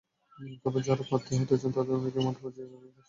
তবে যাঁরা প্রার্থী হতে চান, তাঁদের অনেকেই মাঠপর্যায়ে কাজ শুরু করেছেন।